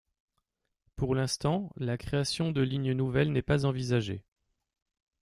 Pour l'instant, la création de lignes nouvelles n'est pas envisagée.